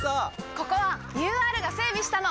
ここはＵＲが整備したの！